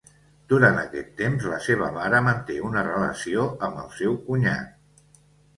Durant aquest temps, la seva mare manté una relació amb el seu cunyat.